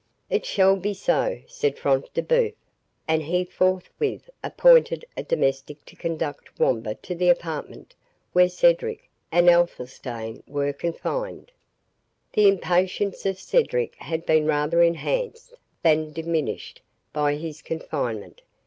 "It shall be so," said Front de Bœuf. And he forthwith appointed a domestic to conduct Wamba to the apartment where Cedric and Athelstane were confined. The impatience of Cedric had been rather enhanced than diminished by his confinement.